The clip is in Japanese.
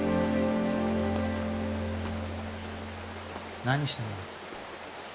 何してんの？